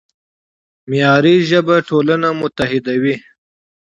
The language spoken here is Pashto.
معیاري ژبه ټولنه متحدوي.